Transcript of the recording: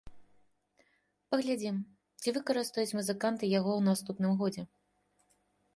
Паглядзім, ці выкарыстаюць музыканты яго ў наступным годзе!